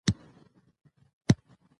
په افغانستان کې تالابونه شتون لري.